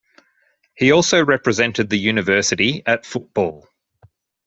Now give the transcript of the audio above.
He also represented the university at football.